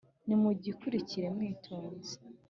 Nimugikurikire mwitonze